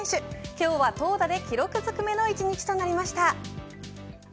今日は投打で記録ずくめの１日となりました。